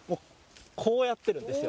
こうやってるんですよ。